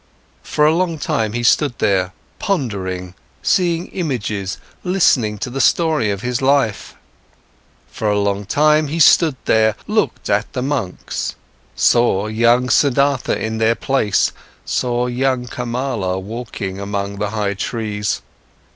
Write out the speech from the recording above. For a long time, he stood there, pondering, seeing images, listening to the story of his life. For a long time, he stood there, looked at the monks, saw young Siddhartha in their place, saw young Kamala walking among the high trees.